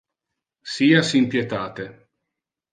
Sia sin pietate.